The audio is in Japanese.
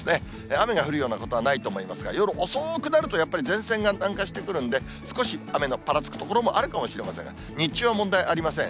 雨が降るようなことはないと思いますが、夜遅くなると、やっぱり前線が南下してくるんで、少し雨がぱらつく所もあるかもしれませんが、日中は問題ありません。